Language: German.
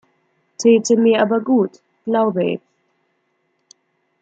Täte mir aber gut, glaube ich.